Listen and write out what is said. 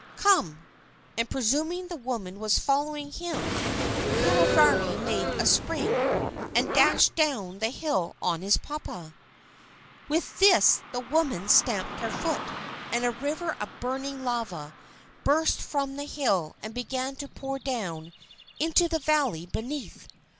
Come!" And, presuming the woman was following him, Kahavari made a spring and dashed down the hill on his papa. With this the woman stamped her foot, and a river of burning lava burst from the hill and began to pour down into the valley beneath.